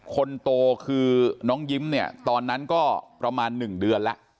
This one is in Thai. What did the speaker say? คนโตคือน้องยิ้มเนี่ยตอนนั้นก็ประมาณ๑เดือนแล้ว